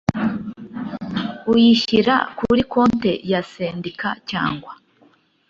Uyishyira kuri konti ya sendika cyangwa